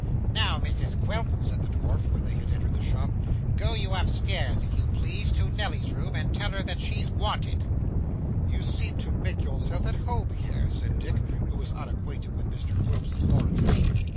'Now, Mrs Quilp,' said the dwarf when they had entered the shop, 'go you up stairs, if you please, to Nelly's room, and tell her that she's wanted.' 'You seem to make yourself at home here,' said Dick, who was unacquainted with Mr Quilp's authority.